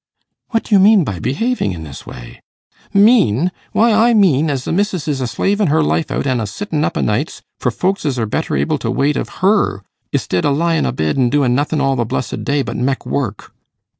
'What do you mean by behaving in this way?' 'Mean? Why I mean as the missis is a slavin' her life out an' a sittin' up o'nights, for folks as are better able to wait of her, i'stid o' lyin' a bed an' doin' nothin' all the blessed day, but mek work.